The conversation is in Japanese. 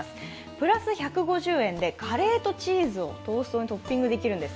プラス１５０円でカレーとチーズをトーストにトッピングできるんです。